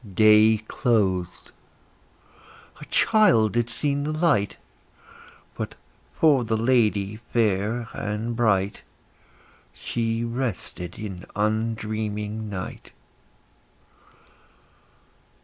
Day closed; a child had seen the light; But, for the lady fair and bright, She rested in undreaming night.